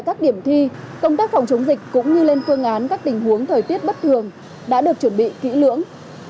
các điểm thi công tác phòng chống dịch cũng như lên phương án các tình huống thời tiết bất thường đã được chuẩn bị kỹ lưỡng